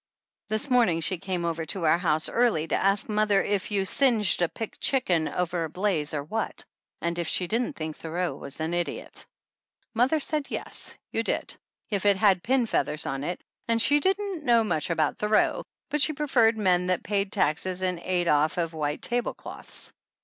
This morning she came over to our house early to ask mother if you singed a picked chicken over a blaze or what, and if she didn't think Thoreau was an idiot. Mother said jes, you did, if it had pin feathers on it, and she didn't know much about Thoreau, but she preferred men that paid taxes and ate off of white tablecloths.